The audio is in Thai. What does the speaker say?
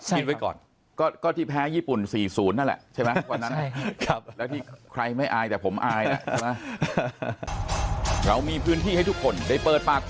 คิดไว้ก่อนก็ที่แพ้ญี่ปุ่น๔๐นั่นแหละใช่ไหม